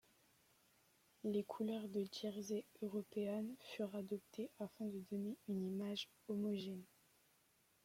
Les couleurs de Jersey European furent adoptées afin de donner une image homogène.